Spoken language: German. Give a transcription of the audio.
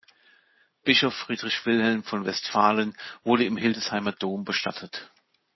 Bischof Friedrich Wilhelm von Westphalen wurde im Hildesheimer Dom bestattet.